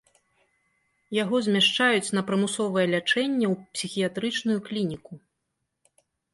Яго змяшчаюць на прымусовае лячэнне ў псіхіятрычную клініку.